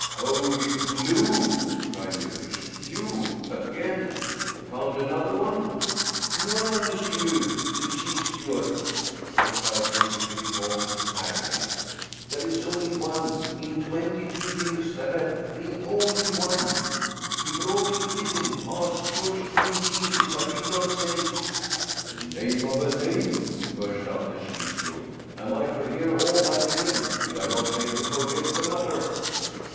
"Holy Blue!" cried that official. "You? Again? Found another one?" "No, no, monsieur the chief steward," replied Monsieur Pettipon in agonies; "there is only one. In twenty two years there has been only one. He brought it with him. Ask Georges Prunier if I did not say " "Name of a name!" burst out the chief steward. "Am I to hear all that again? Did I not say to forget the matter?"